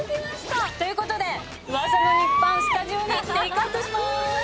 ということで、噂の肉ぱんスタジオにテイクアウトします。